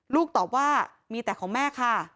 ลูกตอบว่ามีแต่ของแม่ค่ะ